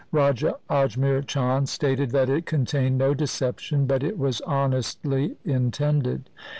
Raja Ajmer Chand stated that it contained no deception, but was honestly intended.